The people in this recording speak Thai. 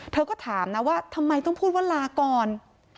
เธอก็ถามนะว่าทำไมต้องพูดว่าลาก่อน